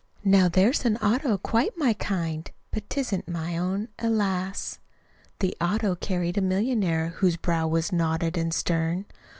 Now there's an auto quite my kind But 'tisn't my own alas!" The "auto" carried a millionaire, Whose brow was knotted an' stern.